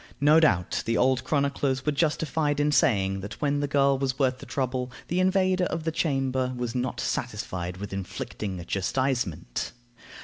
No doubt the old chroniclers were justified in saying that when the girl was worth the trouble, the invader of the chamber was not satisfied with inflicting a chastisement.